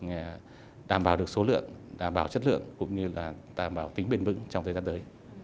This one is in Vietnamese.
để đảm bảo được số lượng đảm bảo chất lượng cũng như là đảm bảo tính bền vững trong thời gian tới